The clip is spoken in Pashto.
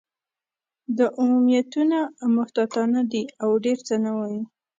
دا عمومیتونه محتاطانه دي، او ډېر څه نه وايي.